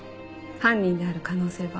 犯人である可能性は？